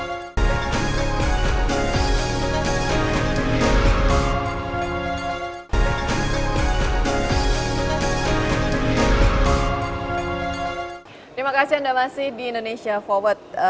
terima kasih anda masih di indonesia forward